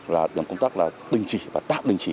là nhằm công tác là đình chỉ và tạm đình chỉ